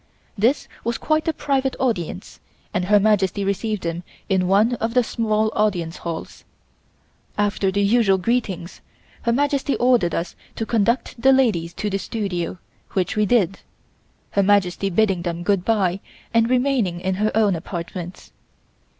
This was quite a private audience and Her Majesty received them in one of the small Audience Halls. After the usual greetings Her Majesty ordered us to conduct the ladies to the studio, which we did, Her Majesty bidding them good bye and remaining in her own apartments.